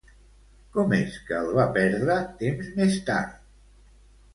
Com és que el va perdre temps més tard?